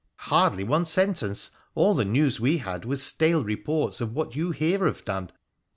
' Hardly one sentence. All the news we had was stale reports of what you here have done.